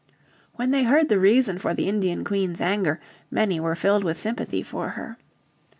'" When they heard the reason for the Indian Queen's anger many were filled with sympathy for her.